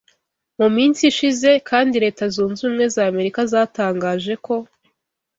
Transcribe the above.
Mu minsi ishize kandi Leta Zunze Ubumwe za Amerika zatangaje ko